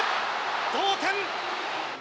同点！